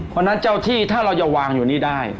เพราะฉะนั้นเจ้าที่ถ้าเราจะวางอยู่นี่ได้